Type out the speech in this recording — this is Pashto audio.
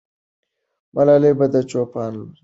ملالۍ به د چوپان لور وي.